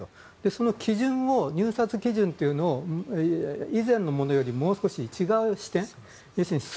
その入札基準というのを以前のものよりもう少し違う視点。